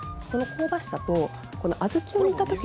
その香ばしさと。